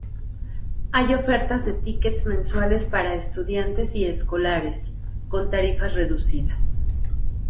Hay ofertas de tickets mensuales para estudiantes y escolares, con tarifas reducidas.